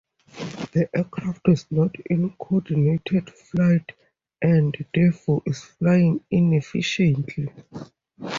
The aircraft is not in coordinated flight and therefore is flying inefficiently.